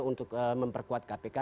untuk memperkuat kpk